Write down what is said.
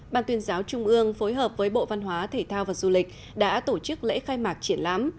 ban tuyên giáo trung ương phối hợp với bộ văn hóa thể thao và du lịch đã tổ chức lễ khai mạc triển lãm